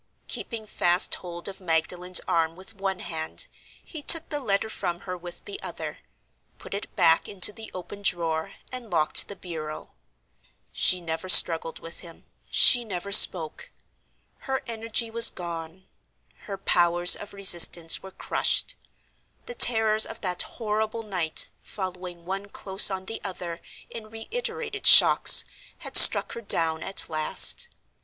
Keeping fast hold of Magdalen's arm with one hand, he took the letter from her with the other, put it back into the open drawer, and locked the bureau. She never struggled with him, she never spoke. Her energy was gone; her powers of resistance were crushed. The terrors of that horrible night, following one close on the other in reiterated shocks, had struck her down at last.